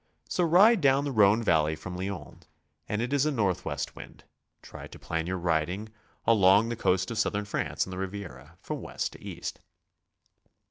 So ride down the Rhone valley from Lyons, and as it is a northwest wind, try to plan your riding along the coast of Southern France and the Riviera from west to east.